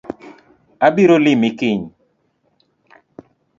Abiro limi kiny